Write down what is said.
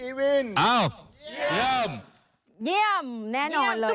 อีวินอ้าวเยี่ยมเยี่ยมเยี่ยมแน่นอนเลย